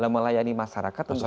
melayani masyarakat tentu saja